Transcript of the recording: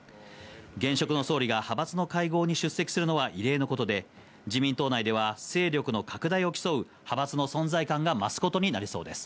現職の総理が派閥の会合に出席するのは異例のことで、自民党内では勢力の拡大を競う派閥の存在感が増すことになりそうです。